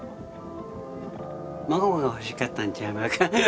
孫が欲しかったんちゃいますか。